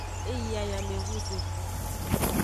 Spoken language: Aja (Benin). E yi ayamehunzexu.